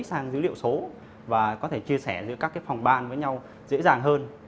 đến cái dữ liệu số và có thể chia sẻ giữa các cái phòng ban với nhau dễ dàng hơn